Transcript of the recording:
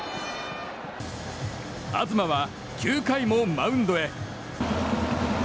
東は９回もマウンドへ。